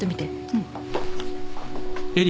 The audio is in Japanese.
うん。